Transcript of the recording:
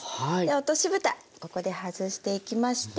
落としぶたここで外していきまして